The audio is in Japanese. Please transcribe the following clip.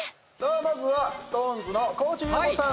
まずはＳｉｘＴＯＮＥＳの高地優吾さん。